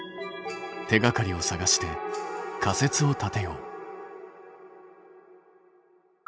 手がかりを探して仮説を立てよう。